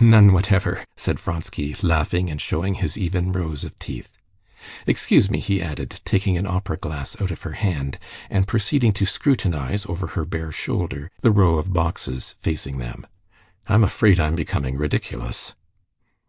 "None whatever," said Vronsky, laughing and showing his even rows of teeth. "Excuse me," he added, taking an opera glass out of her hand, and proceeding to scrutinize, over her bare shoulder, the row of boxes facing them. "I'm afraid I'm becoming ridiculous."